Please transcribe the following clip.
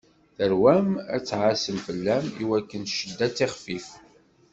Tarwa-m ad ɛassen fell-am, i wakken cedda ad tixfif.